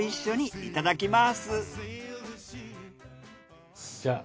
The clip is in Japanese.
いただきます！